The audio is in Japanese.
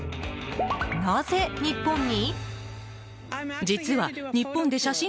なぜ日本に？